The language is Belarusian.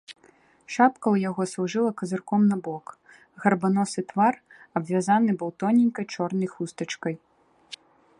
Шапка ў яго служыла казырком набок, гарбаносы твар абвязаны быў тоненькай чорнай хустачкай.